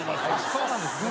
そうなんですね。